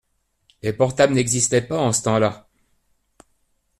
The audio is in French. Les portables n’existaient pas en ce temps-là.